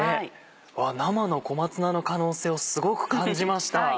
生の小松菜の可能性をすごく感じました。